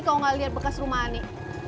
kalau gak lihat bekas rumah ane